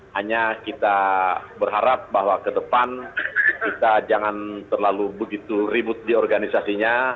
hanya kita berharap bahwa ke depan kita jangan terlalu begitu ribut di organisasinya